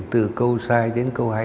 từ câu sai đến câu hay